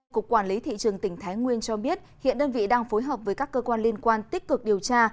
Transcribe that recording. cục quản lý thị trường tỉnh thái nguyên cho biết hiện đơn vị đang phối hợp với các cơ quan liên quan tích cực điều tra